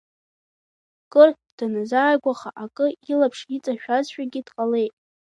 Кыр даназааигәаха, акы илаԥш иҵашәазшәагьы дҟалеит.